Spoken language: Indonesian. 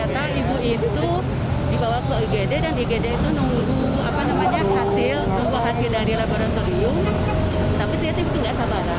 tapi ternyata ibu itu dibawa ke igd dan igd itu nunggu hasil dari laboratorium